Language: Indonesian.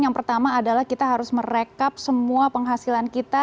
yang pertama adalah kita harus merekap semua penghasilan kita